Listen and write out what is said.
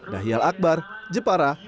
nahyal akbar jepara